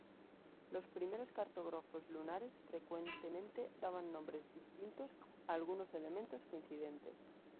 Los primeros cartógrafos lunares frecuentemente daban nombres distintos a algunos elementos coincidentes.